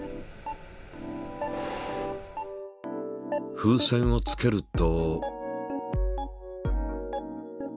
風船をつけると。